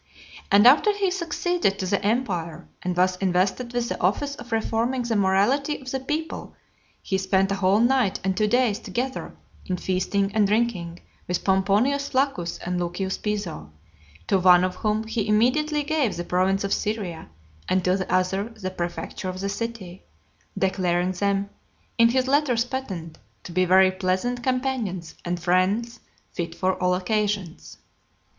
And after he succeeded to the empire, and was invested with the office of reforming the morality of the people, he spent a whole night and two days together in feasting and drinking with Pomponius Flaccus and Lucius Piso; to one of whom he immediately gave the province of Syria, and to the other the prefecture of the city; declaring them, in his letters patent, to be "very pleasant companions, and friends fit for all occasions."